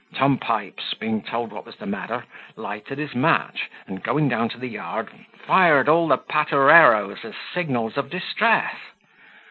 Tom Pipes, being told what was the matter, lighted his match, and going down to the yard, fired all the patereroes as signals of distress.